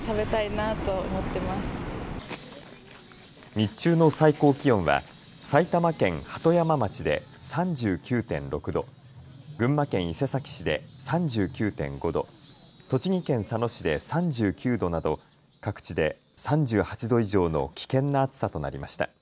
日中の最高気温は埼玉県鳩山町で３９．６度、群馬県伊勢崎市で３９．５度、栃木県佐野市で３９度など各地で３８度以上の危険な暑さとなりました。